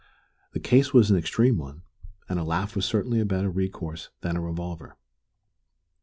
The case was an extreme one, and a laugh was certainly a better recourse than a revolver.